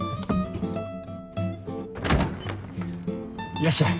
いらっしゃい。